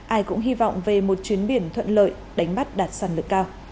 ai cũng hy vọng về một chuyến biển thuận lợi đánh bắt đạt sản lượng cao